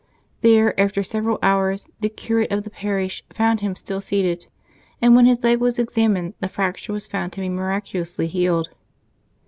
There, after several hours, the curate of the parish found him still seated, and when his leg was examined the fracture was found to be miraculously healed.